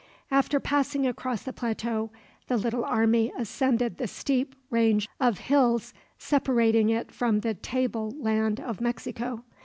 After passing across the plateau, the little army ascended the steep range of hills separating it from the table land of Mexico.